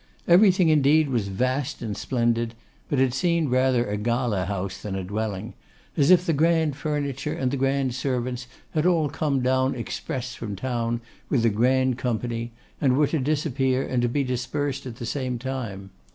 Everything, indeed, was vast and splendid; but it seemed rather a gala house than a dwelling; as if the grand furniture and the grand servants had all come down express from town with the grand company, and were to disappear and to be dispersed at the same time.